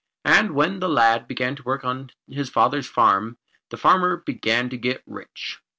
And when the lad began to work on his father's farm the farmer began to get rich.